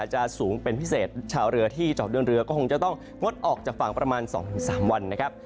สูงเป็นพิเศษชาวเรือที่เจาะเดินเรือก็คงจะต้องงดออกจากฝั่งประมาณ๒๓วันนะครับ